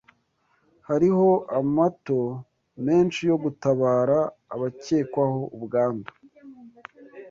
Hariho amato menshi yo gutabara abakekwaho ubwandu